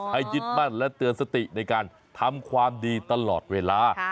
ยึดมั่นและเตือนสติในการทำความดีตลอดเวลา